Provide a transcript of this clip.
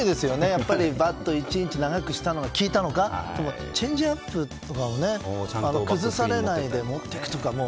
やっぱりバット１ｍｍ長くしたのが効いたのかチェンジアップを崩されないで持っていくとか。